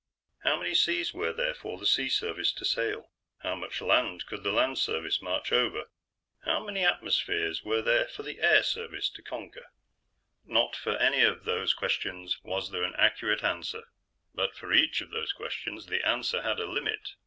How many seas were there for the Sea Service to sail? How much land could the Land Service march over? How many atmospheres were there for the Air Service to conquer? Not for any of those questions was there an accurate answer, but for each of those questions, the answer had a limit.